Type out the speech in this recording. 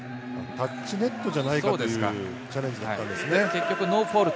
タッチネットじゃないかというチャレンジだったんですね。